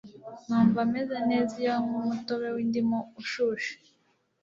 Numva meze neza iyo nywa umutobe windimu ushushe